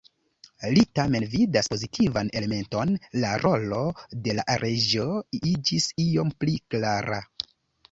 Li tamen vidas pozitivan elementon: la rolo de la reĝo iĝis iom pli klara.